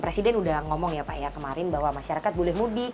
presiden udah ngomong ya pak ya kemarin bahwa masyarakat boleh mudik